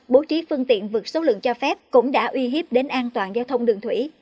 bố trí phương tiện vượt số lượng cho phép cũng đã uy hiếp đến an toàn giao thông đường thủy